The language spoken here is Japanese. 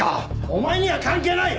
お前には関係ない！